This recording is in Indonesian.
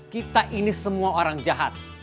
kita ini semua orang jahat